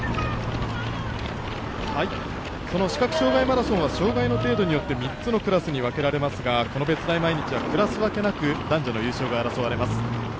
視覚障がいマラソンは障がいの程度によって３つのクラスに分けられますがこの別大毎日はクラス分けなく男女の優勝が争われます。